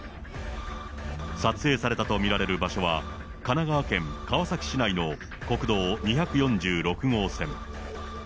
撮影されたと見られる場所は、神奈川県川崎市内の国道２４６号線。